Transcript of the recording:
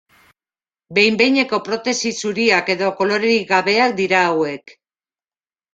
Behin-behineko protesi zuriak edo kolorerik gabeak dira hauek.